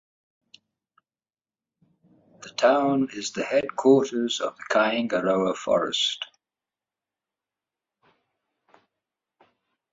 The town is the headquarters of Kaingaroa Forest.